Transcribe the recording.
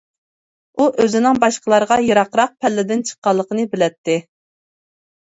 ئۇ ئۆزىنىڭ باشقىلارغا يىراقراق پەللىدىن چىققانلىقىنى بىلەتتى.